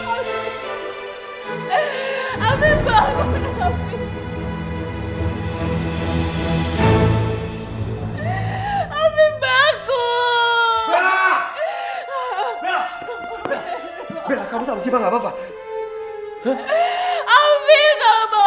afid kalau bawa dia ke rumah sakit